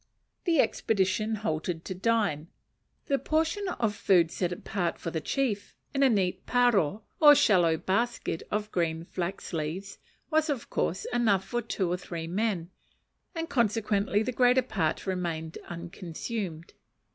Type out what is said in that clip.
The expedition halted to dine. The portion of food set apart for the chief, in a neat paro or shallow basket of green flax leaves, was, of course, enough for two or three men, and consequently the greater part remained unconsumed.